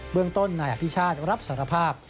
เมืองต้นนายอภิชาติรับสารภาพ